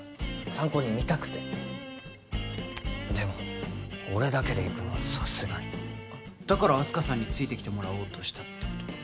参考に見たくてでも俺だけで行くのはさすがにだからあす花さんについてきてもらおうとしたってこと？